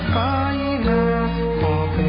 ทรงเป็นน้ำของเรา